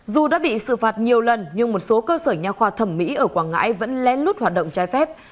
dù đã bị xử phạt nhiều lần nhưng một số cơ sở nhà khoa thẩm mỹ ở quảng ngãi vẫn lén lút hoạt động trái phép